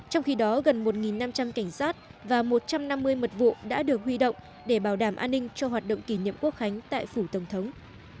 trong khi đó gần một năm trăm linh cảnh sát và một trăm năm mươi mật vụ đã được huy động để bảo đảm an ninh cho hoạt động kỷ niệm quốc khánh tại phủ tổng thống